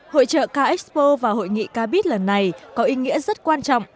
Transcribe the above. hội trợ k expo và hội nghị k bit lần này có ý nghĩa rất quan trọng